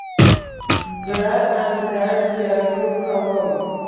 زه انګړ جارو کوم.